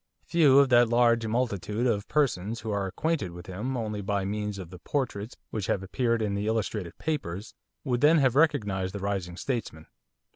Few of that large multitude of persons who are acquainted with him only by means of the portraits which have appeared in the illustrated papers, would then have recognised the rising statesman.